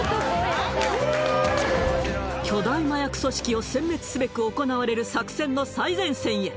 巨大麻薬組織を殲滅すべく行われる作戦の最前線へ！